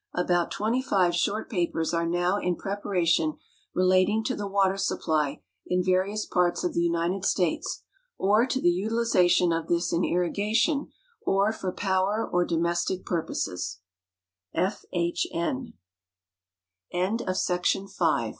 About twenty five short papers are now in preparation relating to the w'ater suj)ply in various parts of the United States or to the util ization of this in irrigation or for power or domestic purposes. F. H. N.